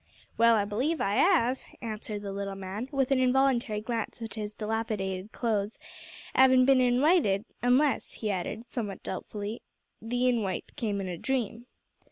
"Well, I believe I 'ave," answered the little man, with an involuntary glance at his dilapidated clothes; "'avin' been inwited unless," he added, somewhat doubtfully, "the inwite came in a dream."